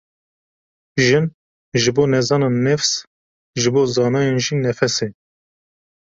Jin ji bo nezanan nefs, ji bo zanayan jî nefes e.